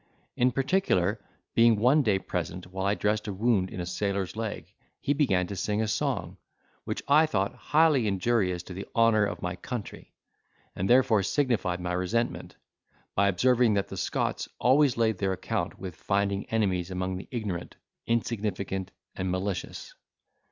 In particular, being one day present while I dressed a wound in a sailor's leg, he began to sing a song, which I thought highly injurious to the honour of my country, and therefore signified my resentment, by observing that the Scots always laid their account with finding enemies among the ignorant, insignificant, and malicious.